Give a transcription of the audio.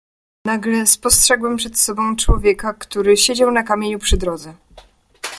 "Nagle spostrzegłem przed sobą człowieka, który siedział na kamieniu przy drodze."